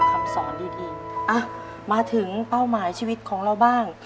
คำสอนดีมาถึงเป้าหมายชีวิตของเราบ้าง